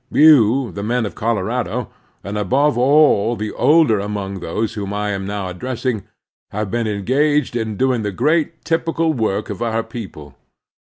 You, the men of Colorado, and, above all, the older among those whom I am now addressing, have been engaged in doing the great typical work of our people.